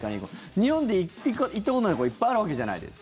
日本で行ったことないところいっぱいあるわけじゃないですか。